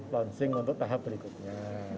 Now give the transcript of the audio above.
launching untuk tahap berikutnya